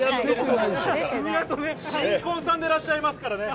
新婚さんでいらっしゃいますから。